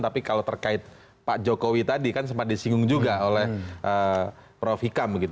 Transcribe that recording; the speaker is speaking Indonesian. tapi kalau terkait pak jokowi tadi kan sempat disinggung juga oleh prof hikam